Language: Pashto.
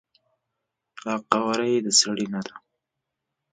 دا قواره یی د نه سړی ده،